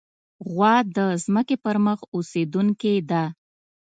غوا د ځمکې پر مخ اوسېدونکې ده.